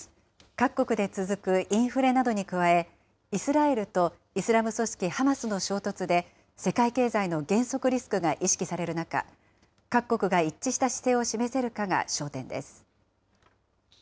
各国で続くインフレなどに加え、イスラエルとイスラム組織ハマスの衝突で、世界経済の減速リスクが意識される中、各国が一致した姿勢を示せるかが焦点です。